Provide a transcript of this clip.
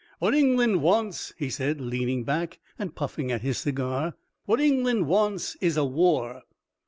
"What England wants," he said, leaning back and puffing at his cigar, "what England wants is a war.